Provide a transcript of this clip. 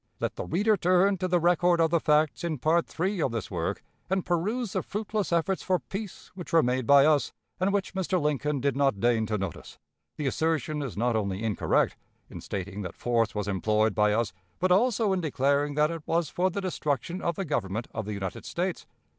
Let the reader turn to the record of the facts in Part III of this work, and peruse the fruitless efforts for peace which were made by us, and which Mr. Lincoln did not deign to notice. The assertion is not only incorrect, in stating that force was employed by us, but also in declaring that it was for the destruction of the Government of the United States.